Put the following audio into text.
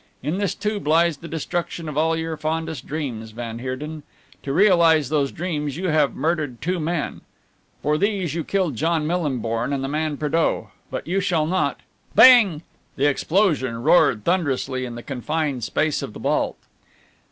In this tube lies the destruction of all your fondest dreams, van Heerden. To realize those dreams you have murdered two men. For these you killed John Millinborn and the man Prédeaux. But you shall not " "Bang!" The explosion roared thunderously in the confined space of the vault.